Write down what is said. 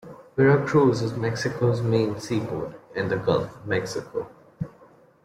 Veracruz is Mexico's main seaport in the Gulf of Mexico.